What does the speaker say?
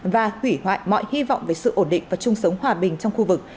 và hủy hoại mọi hy vọng về sự ổn định và chung sống hòa bình trong khu vực